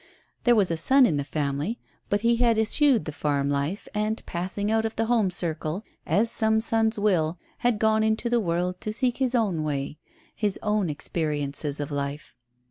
There was a son in the family, but he had eschewed the farm life, and passing out of the home circle, as some sons will, had gone into the world to seek his own way his own experiences of life.